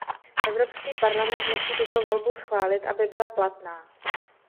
Evropský parlament musí tuto volbu schválit, aby byla platná.